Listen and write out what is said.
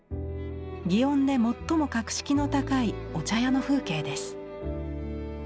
園で最も格式の高いお茶屋の風景です。